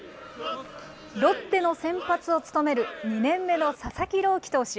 ロッテの先発を務める２年目の佐々木朗希投手。